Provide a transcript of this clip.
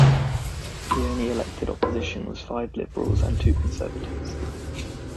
The only elected opposition was five Liberals and two Conservatives.